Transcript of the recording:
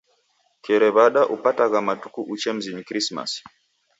Kerew'ada upatagha matuku uche mzinyi Krisimasi.